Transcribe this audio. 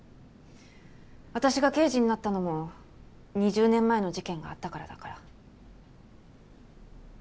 私が刑事になったのも２０年前の事件があったからだから。